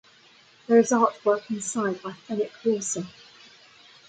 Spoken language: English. There is artwork inside by Fenwick Lawson.